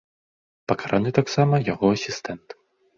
Пакараны таксама яго асістэнт.